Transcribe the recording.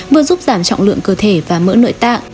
vừa giúp giảm trọng lượng cơ thể và mỡ nội tạng